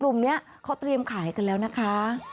ตอนนี้เขาเตรียมขายให้กันแล้วนะคะ